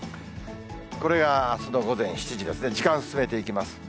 これがあすの午前７時ですね、時間進めていきます。